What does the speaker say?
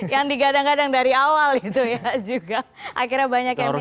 yang digadang gadang dari awal itu ya juga akhirnya banyak yang bisa